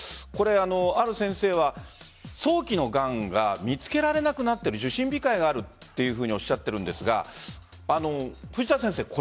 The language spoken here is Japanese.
これ、ある先生は早期のがんが見つけられなくなっている受診控えがあるとおっしゃっているんですが藤田先生